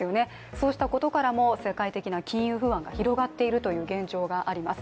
そうしたことからも世界的な金融不安が広がっているという現状があります。